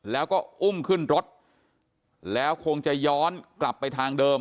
แล้วก็อุ้มขึ้นรถแล้วคงจะย้อนกลับไปทางเดิม